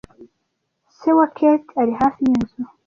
Se wa Kate ari hafi yinzu.